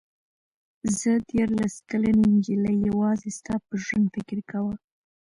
زه دیارلس کلنې نجلۍ یوازې ستا په ژوند فکر کاوه.